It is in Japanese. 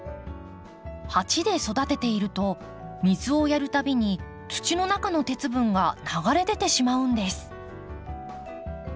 鉢で育てていると水をやる度に土の中の鉄分が流れ出てしまうんです。